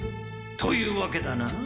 というわけだな？